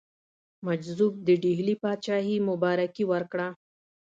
مجذوب د ډهلي پاچهي مبارکي ورکړه.